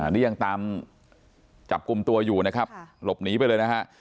นี่ยังตามจับกลุ่มตัวอยู่นะครับหลบหนีไปเลยนะฮะ